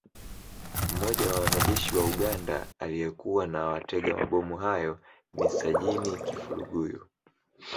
Mmoja wa wanajeshi wa Uganda aliyekuwa na watega mabomu hayo ni Sajini Kifulugunyu